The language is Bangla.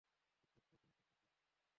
তুমি কোন কাজে এসেছিলে?